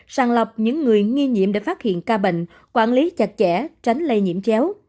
sàng lọc những người nghi nhiễm để phát hiện ca bệnh quản lý chặt chẽ tránh lây nhiễm chéo